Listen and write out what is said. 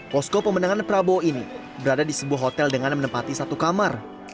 posko pemenangan prabowo ini berada di sebuah hotel dengan menempati satu kamar